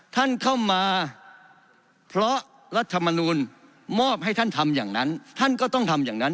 ท่านเข้ามาเพราะรัฐมนูลมอบให้ท่านทำอย่างนั้นท่านก็ต้องทำอย่างนั้น